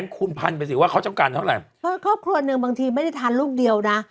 คุณพันไปสิว่าเขาต้องการเท่าไหร่ครอบครัวหนึ่งบางทีไม่ได้ทานลูกเดียวนะ